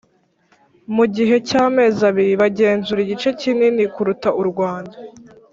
mu gihe cy‘amezi abiri bagenzuraga igice kinini kuruta u Rwanda